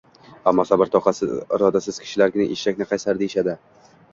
Ammo, sabr-toqatsiz, irodasiz kishilargina eshakni qaysar deyishadi.